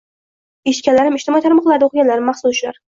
Eshitganlarim, ijtimoiy tarmoqlarda o`qiganlarim mahsuli ular